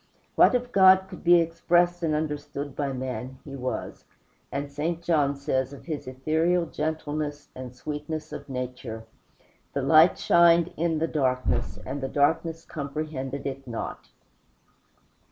What of God could be expressed and understood by man He was, and St. John says of his ethereal gentleness and sweetness of nature: "The light shined in the darkness and the darkness comprehended it not."